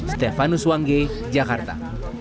stefanus wangge jakarta